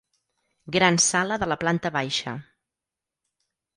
Gran sala de la planta baixa.